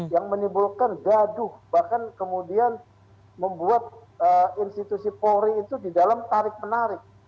yang menimbulkan gaduh bahkan kemudian membuat institusi polri itu di dalam tarik menarik